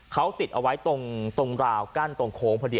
เขาติดเอาไว้ตรงราวกั้นตรงโค้งพอดี